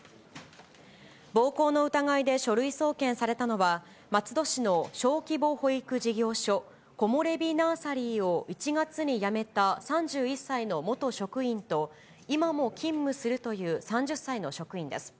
暴行の疑いで書類送検されたのは、松戸市の小規模保育事業所、コモレビ・ナーサリーを１月に辞めた３１歳の元職員と、今も勤務するという３０歳の職員です。